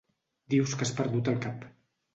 Dius que has perdut el cap.